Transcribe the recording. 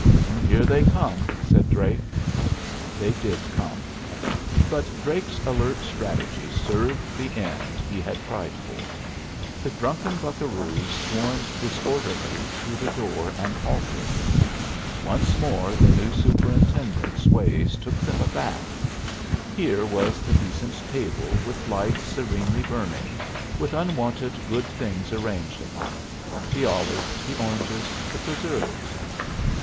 "Here they come," said Drake. They did come. But Drake's alert strategy served the end he had tried for. The drunken buccaroos swarmed disorderly to the door and halted. Once more the new superintendent's ways took them aback. Here was the decent table with lights serenely burning, with unwonted good things arranged upon it the olives, the oranges, the preserves.